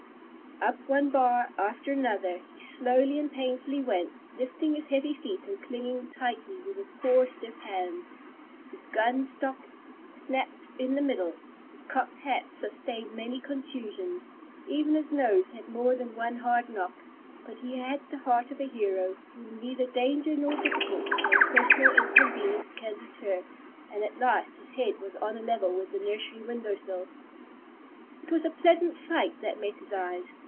Up one bar after another he slowly and painfully went, lifting his heavy feet and clinging tightly with his poor, stiff hands. His gun stock snapped in the middle, his cocked hat sustained many contusions, even his nose had more than one hard knock. But he had the heart of a hero, whom neither danger, nor difficulty, nor personal inconvenience can deter, and at last his head was on a level with the nursery window sill. It was a pleasant sight that met his eyes.